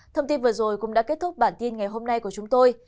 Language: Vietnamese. thông tin vừa rồi cũng đã kết thúc bản tin ngày hôm nay của chúng tôi